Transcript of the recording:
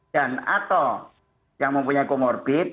dan atau yang mempunyai komorbid